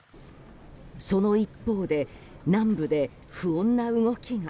その一方で南部で不穏な動きが。